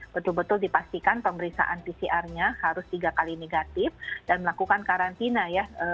betul betul dipastikan pemeriksaan pcr nya harus tiga kali negatif dan melakukan karantina ya